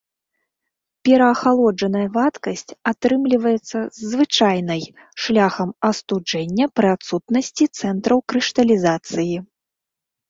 Пераахалоджаная вадкасць атрымліваецца з звычайнай шляхам астуджэння пры адсутнасці цэнтраў крышталізацыі.